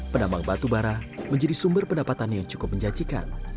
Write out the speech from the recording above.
penambang batubara menjadi sumber pendapatan yang cukup menjanjikan